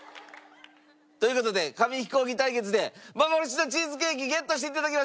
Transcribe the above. という事で紙飛行機対決で幻のチーズケーキゲットして頂きましょう！